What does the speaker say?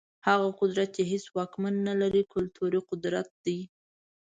هغه قدرت چي هيڅ واکمن نلري، کلتوري قدرت دی.